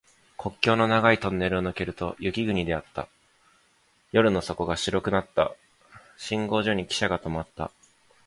国境の長いトンネルを抜けると雪国であった。夜の底が白くなった。信号所にきしゃが止まった。